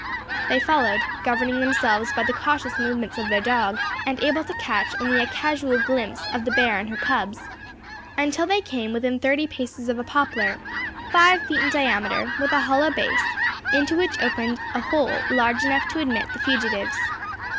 They followed, governing themselves by the cautious movements of their dog, and able to catch only a casual glimpse of the bear and her cubs, until they came within thirty paces of a poplar,[#] five feet in diameter, with a hollow base, into which opened a hole large enough to admit the fugitives.